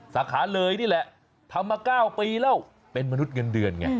สาขาเลยนี่แหละทำมา๙ปีแล้วเป็นมนุษย์เงินเดือนไง